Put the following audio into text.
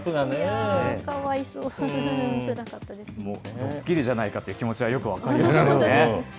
ドッキリじゃないかという気持ちは、よく分かりますね。